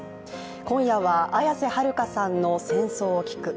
今夜は綾瀬はるかさんの「戦争を聞く」。